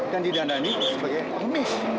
dan didandani sebagai pengemis